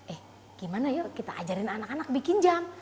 eh gimana yuk kita ajarin anak anak bikin jam